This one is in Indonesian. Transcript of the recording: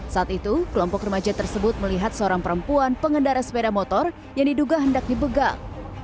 saat itu kelompok remaja tersebut melihat seorang perempuan pengendara sepeda motor yang diduga hendak dibegal